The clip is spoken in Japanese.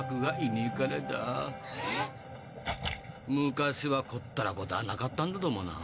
昔はこっだらことはなかったんだどもなぁ。